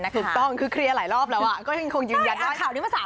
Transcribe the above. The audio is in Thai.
ถูกต้องคือเคลียร์หลายรอบแล้วอ่ะก็ยังคงยืนยันว่า